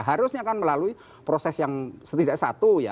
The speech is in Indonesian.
harusnya kan melalui proses yang setidaknya satu ya